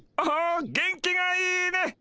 お元気がいいね。